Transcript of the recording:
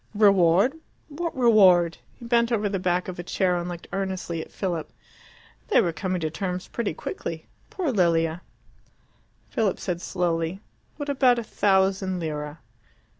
"Reward what reward?" He bent over the back of a chair and looked earnestly at Philip. They were coming to terms pretty quickly. Poor Lilia! Philip said slowly, "What about a thousand lire?"